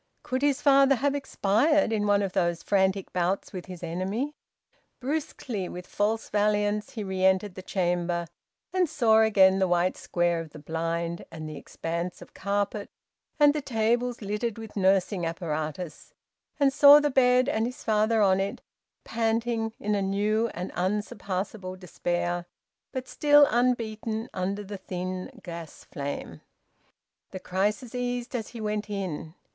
Could his father have expired in one of those frantic bouts with his enemy? Brusquely, with false valiance, he re entered the chamber, and saw again the white square of the blind and the expanse of carpet and the tables littered with nursing apparatus, and saw the bed and his father on it, panting in a new and unsurpassable despair, but still unbeaten, under the thin gas flame. The crisis eased as he went in.